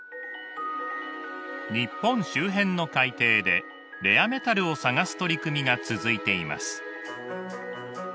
日本周辺の海底でレアメタルを探す取り組みが続いています。